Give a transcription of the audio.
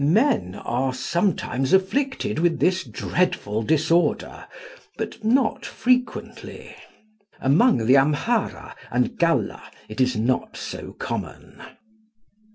Men are sometimes afflicted with this dreadful disorder, but not frequently. Among the Amhara and Galla it is not so common."